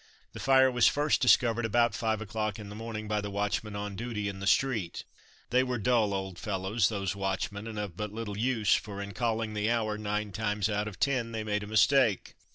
The fire was first discovered about five o'clock in the morning by the watchman on duty in the street. They were dull old fellows, those watchmen, and of but little use, for in calling the hour nine times out of ten they made a mistake.